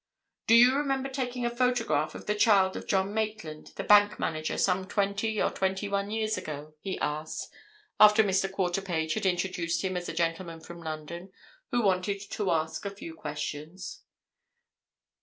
"Do you remember taking a photograph of the child of John Maitland, the bank manager, some twenty or twenty one years ago?" he asked, after Mr. Quarterpage had introduced him as a gentleman from London who wanted to ask a few questions.